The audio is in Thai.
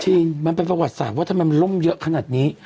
จริงมันเป็นประวัติศาสตร์ว่าทำไมมันล่มเยอะขนาดนี้